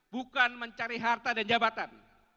bukan mencari harta dan jabatan